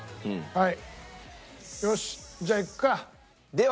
はい。